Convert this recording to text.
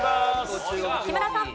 木村さん。